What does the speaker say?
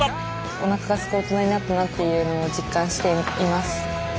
おなかがすくオトナになったなっていうのを実感しています。